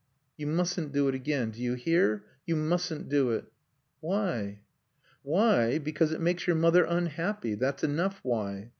"You mustn't do it again. Do you hear? you mustn't do it." "Why?" "Why? Because it makes your mother unhappy. That's enough why."